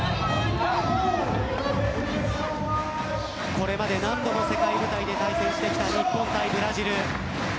これまで何度も世界の舞台で対戦した日本対ブラジル。